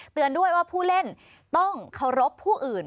เตือนด้วยว่าผู้เล่นต้องเคารพผู้อื่น